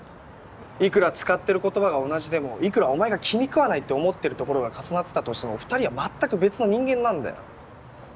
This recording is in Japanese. いくら使ってる言葉が同じでもいくらお前が気に食わないって思ってるところが重なってたとしても２人は全く別の人間なんだよ。